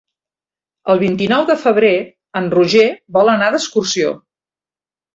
El vint-i-nou de febrer en Roger vol anar d'excursió.